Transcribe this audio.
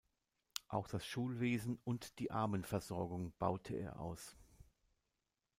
Auch das Schulwesen und die Armenversorgung baute er aus.